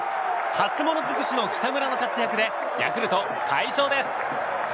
初物尽くしの北村の活躍でヤクルト快勝です。